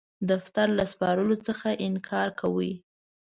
دفتر له سپارلو څخه انکار کاوه.